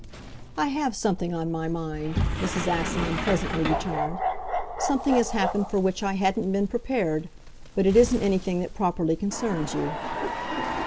"I have something on my mind," Mrs. Assingham presently returned; "something has happened for which I hadn't been prepared. But it isn't anything that properly concerns you."